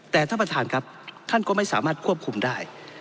แต่ท่านประธานครับท่านก็ไม่สามารถควบคุมได้